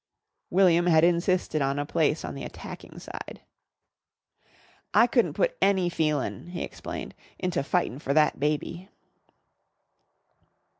William had insisted on a place on the attacking side. "I couldn't put any feelin'," he explained, "into fightin' for that baby."